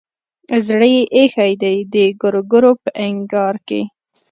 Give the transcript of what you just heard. زړه يې ايښی دی دګرګو په انګار کې